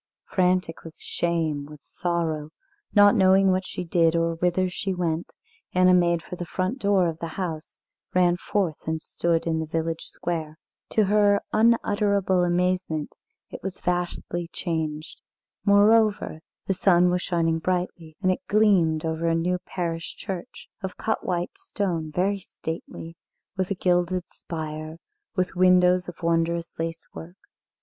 Frantic with shame, with sorrow, not knowing what she did, or whither she went, Anna made for the front door of the house, ran forth and stood in the village square. To her unutterable amazement it was vastly changed. Moreover, the sun was shining brightly, and it gleamed over a new parish church, of cut white stone, very stately, with a gilded spire, with windows of wondrous lacework.